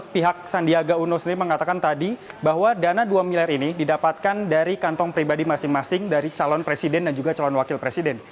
pihak sandiaga uno sendiri mengatakan tadi bahwa dana dua miliar ini didapatkan dari kantong pribadi masing masing dari calon presiden dan juga calon wakil presiden